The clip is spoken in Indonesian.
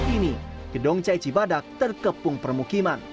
ini gedong cai cibadak terkepung permukiman